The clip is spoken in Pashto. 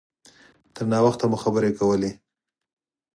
تر ناوخته مو خبرې کولې.